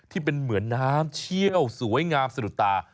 ที่เป็นเหมือนน้ำเชี่ยวสวยงามสะดุดตา